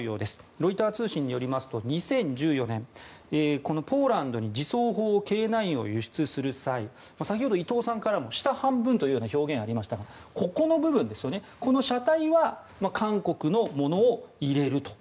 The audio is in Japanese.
ロイター通信によりますと２０１４年このポーランドに自走砲Ｋ９を輸出する際先ほど、伊藤さんからも下半分という表現がありましたが車体は韓国のものを入れると。